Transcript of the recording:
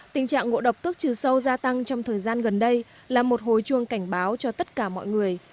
tình trạng ngộ độc thuốc trừ sâu gia tăng trong thời gian gần đây là một hồi chuông cảnh báo cho tất cả mọi người